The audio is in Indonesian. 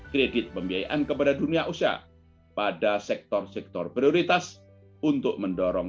kredit pembiayaan kepada dunia usaha pada sektor sektor prioritas untuk mendorong